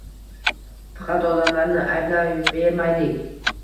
Faqat odamlarni ayblayvermaylik.